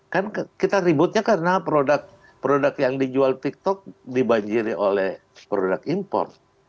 kan kita ributnya karena produk yang dijual tiktok dibanjiri oleh produk import